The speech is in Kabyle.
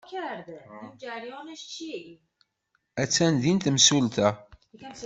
Attan din temsulta.